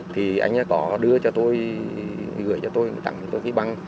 thì anh ấy có đưa cho tôi gửi cho tôi tặng cho tôi cái băng